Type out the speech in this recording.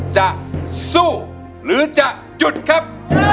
จะสู้หรือจะหยุดครับ